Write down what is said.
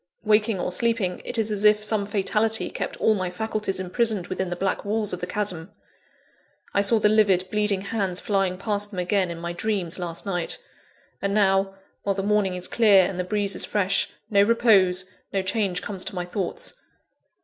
Waking or sleeping, it is as if some fatality kept all my faculties imprisoned within the black walls of the chasm. I saw the livid, bleeding hands flying past them again, in my dreams, last night. And now, while the morning is clear and the breeze is fresh, no repose, no change comes to my thoughts.